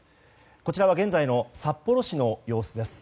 こちらは、現在の札幌市の様子です。